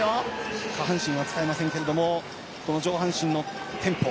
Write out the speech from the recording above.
下半身は使えませんけどもこの上半身のテンポ。